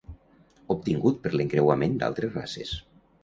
Obtingut per l'encreuament d'altres races.